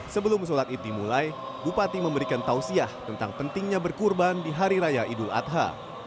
sebelum sholat id dimulai bupati memberikan tausiah tentang pentingnya berkurban di hari raya idul adha